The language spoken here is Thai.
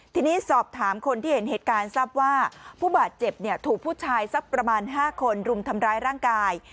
ทีนี้สอบถามคนที่เห็นเหตุการณ์ทราบว่าผู้บาดเจ็บถูกผู้ชายสักประมาณ๕คนรุมทำร้ายร่างกาย